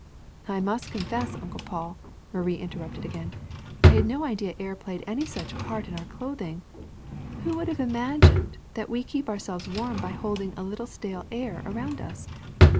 '^ ^'I must confess. Uncle Paul," Marie interrupted again, '^I had no idea air played any such part in our clothing. AYho would have imagined that we keep ourselves warm by holding a little stale air around us!